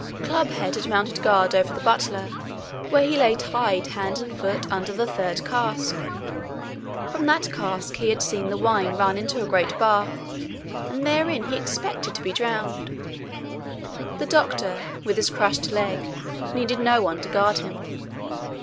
Clubhead had mounted guard over the butler, where he lay tied hand and foot under the third cask. From that cask he had seen the wine run into a great bath, and therein he expected to be drowned. The doctor, with his crushed leg, needed no one to guard him.